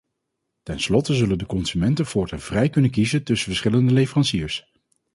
Ten slotte zullen de consumenten voortaan vrij kunnen kiezen tussen verschillende leveranciers.